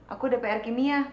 aku ada pr kimia